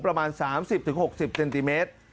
ประมาณสามสิบถึงหกสิบเซนติเมตร